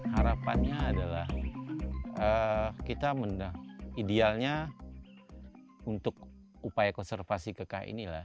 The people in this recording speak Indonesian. harapannya adalah kita idealnya untuk upaya konservasi kekah inilah